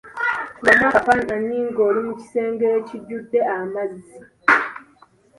Kubamu akafaananyi ng'oli mu kisenge ekijjudde amazzi.